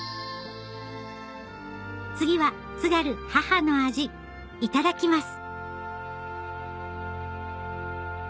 次は津軽母の味いただきます